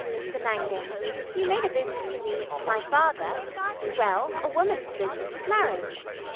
Come, Mr Mangan! you made a business convenience of my father. Well, a woman's business is marriage.